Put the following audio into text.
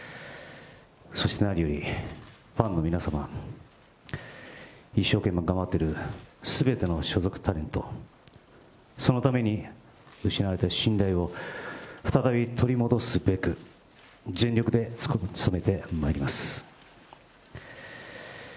そして、何よりファンの皆様、一生懸命頑張っているすべての所属タレント、そのために、失われた信頼を再び取り戻すべく、全力で努めてまいります。